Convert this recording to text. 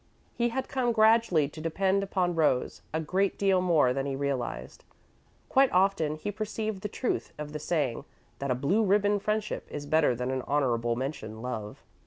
He had come gradually to depend upon Rose a great deal more than he realised. Quite often he perceived the truth of the saying that "a blue ribbon friendship is better than an honourable mention love."